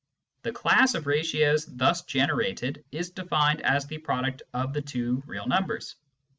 The class of ratios thus generated is defined as the product of the two real numbers.